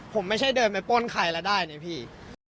ผมไม่ใช่เดินไปป้นใครละได้เนี่ยพี่